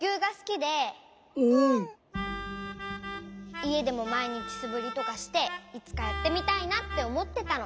いえでもまいにちすぶりとかしていつかやってみたいなっておもってたの。